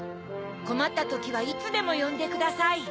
こまったときはいつでもよんでください！